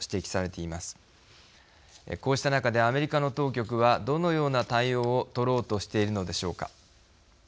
こうした中でアメリカの当局はどのような対応を取ろうとしているのでしょうか。